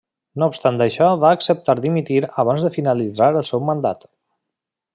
No obstant això va acceptar dimitir abans de finalitzar el seu mandat.